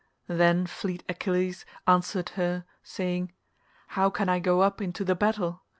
Then fleet Achilles answered her saying, "How can I go up into the battle?